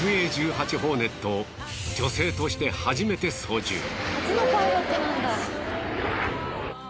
ホーネットを女性として初めて操縦。